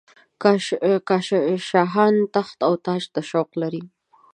که شاهان تخت او تاج ته شوق لري.